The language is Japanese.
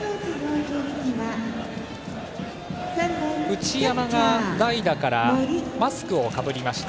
内山が代打からマスクをかぶりました。